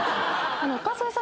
岡副さん